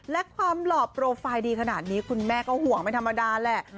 และความหล่อโปรไฟล์ดีขนาดนี้คุณแม่ก็ห่วงไม่ธรรมดาแหละ